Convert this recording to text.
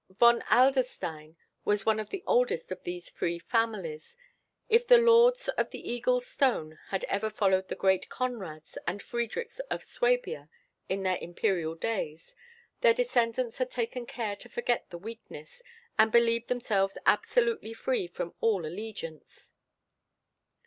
Von Adlerstein was one of the oldest of these free families. If the lords of the Eagle's Stone had ever followed the great Konrads and Freidrichs of Swabia in their imperial days, their descendants had taken care to forget the weakness, and believed themselves absolutely free from all allegiance.